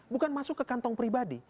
bukan masuk ke kantong pribadi